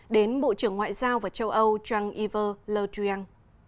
đến bộ trưởng ngoại giao và châu âu jean yves le drian